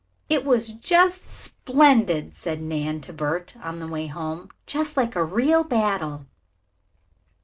"It was just splendid!" said Nan to Bert, on the way home. "Just like a real battle."